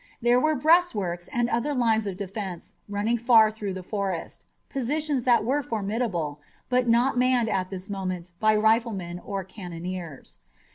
There were breastworks and other lines of defense running far through the forest, positions that were formidable, but not manned at this moment by riflemen or cannoneers.